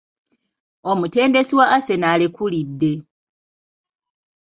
Omutendesi wa Arsenal alekulidde.